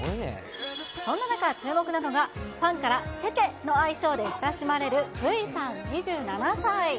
そんな中、注目なのがファンからテテの愛称で親しまれるＶさん２７歳。